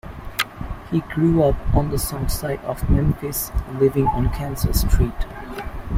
He grew up on the south side of Memphis, living on Kansas Street.